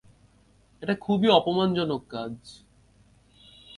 এটা খুবই অপমানজনক কাজ।